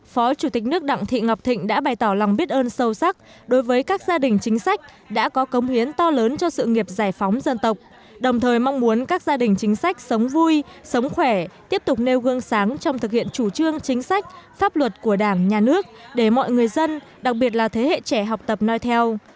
phó chủ tịch nước đặng thị ngọc thịnh đã bày tỏ lòng biết ơn sâu sắc đối với các gia đình chính sách đã có công hiến to lớn cho sự nghiệp giải phóng dân tộc đồng thời mong muốn các gia đình chính sách sống vui sống khỏe tiếp tục nêu gương sáng trong thực hiện chủ trương chính sách pháp luật của đảng nhà nước để mọi người dân đặc biệt là thế hệ trẻ học tập nói theo